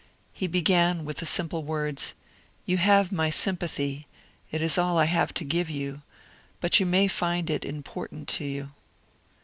He began with the simple words, '^ Ton have my sympathy ; it is all I have to give you, but you may find it important to you."